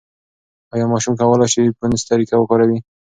ایا ماشوم کولای شي فونس طریقه وکاروي؟